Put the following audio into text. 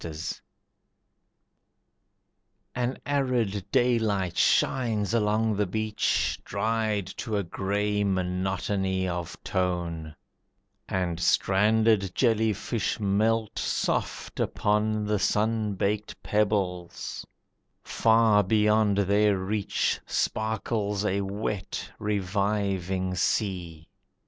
Irony An arid daylight shines along the beach Dried to a grey monotony of tone, And stranded jelly fish melt soft upon The sun baked pebbles, far beyond their reach Sparkles a wet, reviving sea.